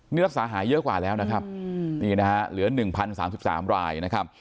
นี่รักษาหายเยอะกว่าแล้วนะครับนี่นะฮะเหลือ๑๐๓๓รายนะครับ